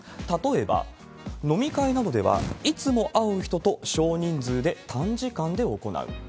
例えば飲み会などでは、いつも会う人と、少人数で短時間で行う。